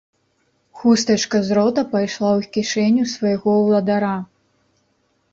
Хустачка з рота пайшла ў кішэню свайго ўладара.